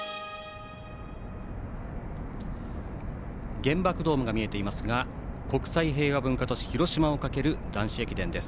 原爆ドームが見えていますが国際平和文化都市・広島を駆ける男子駅伝です。